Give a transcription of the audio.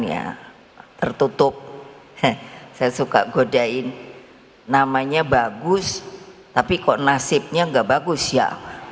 ya tertutup saya suka godain namanya bagus tapi kok nasibnya nggak bagus ya